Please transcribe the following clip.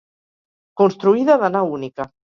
Construïda de nau única.